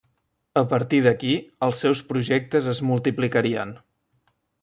A partir d'aquí, els seus projectes es multiplicarien.